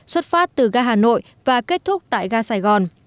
xuất phát từ ga hà nội và kết thúc tại ga sài gòn